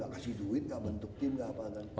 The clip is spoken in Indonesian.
gak kasih duit gak bentuk tim gak apa apa